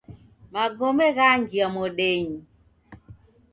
Magome ghangia modenyi.